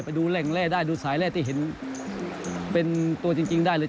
ไปดูแหล่งแร่ได้ดูสายแร่ที่เห็นเป็นตัวจริงได้เลย